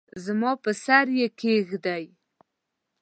زما پر سر یې کښېږده !